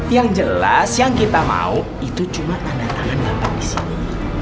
yang jelas yang kita mau itu cuma tanda tangan bapak di sini